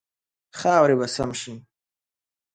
خاورې به سم شي.